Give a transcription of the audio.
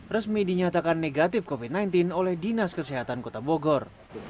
resmi dinyatakan negatif covid sembilan belas oleh dinas kesehatan kota bogor